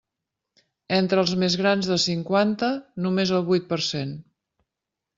Entre els més grans de cinquanta, només el vuit per cent.